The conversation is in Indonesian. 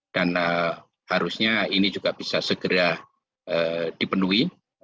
dan harusnya ini juga bisa segera dipenuhi